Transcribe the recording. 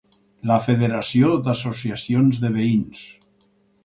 La federació d'associacions de veïns.